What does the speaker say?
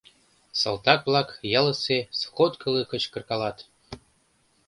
Салтак-влак ялысе сходкылы кычкыркалат.